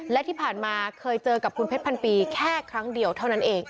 และที่ผ่านมาเคยเจอกับคุณเพชรพันปีแค่ครั้งเดียวเท่านั้นเอง